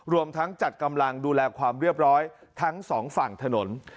รวมทั้งจัดกำลังดูแลความเรียบร้อยทั้งสองฝั่งถนน